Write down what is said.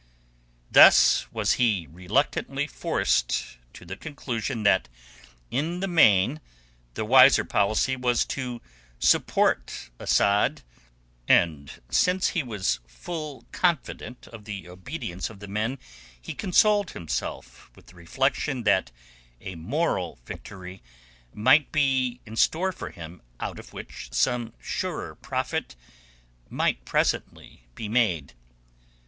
Thus was he reluctantly forced to the conclusion that in the main the wiser policy was to support Asad, and since he was full confident of the obedience of the men he consoled himself with the reflection that a moral victory might be in store for him out of which some surer profit might presently be made.